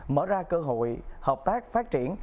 mở ra cơ hội hợp tác phát triển